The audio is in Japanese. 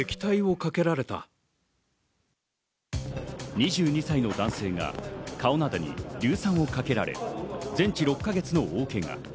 ２２歳の男性が顔などに硫酸をかけられ、全治６か月の大けが。